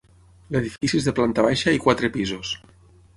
L'edifici és de planta baixa i quatre pisos.